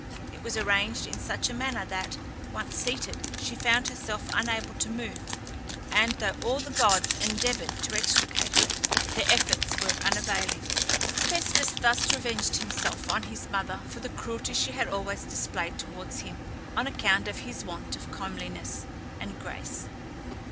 It was arranged in such a manner that, once seated, she found herself unable to move, and though all the gods endeavoured to extricate her, their efforts were unavailing. Hephæstus thus revenged himself on his mother for the cruelty she had always displayed towards him, on account of his want of comeliness and grace.